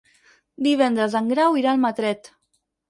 Divendres en Grau irà a Almatret.